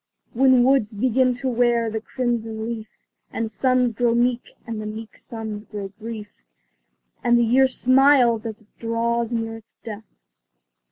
When woods begin to wear the crimson leaf, And suns grow meek, and the meek suns grow brief And the year smiles as it draws near its death.